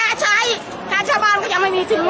อาหรับเชี่ยวจามันไม่มีควรหยุด